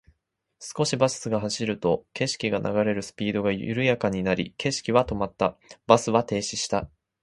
少しバスが走ると、景色が流れるスピードが緩やかになり、景色は止まった。バスは停止した。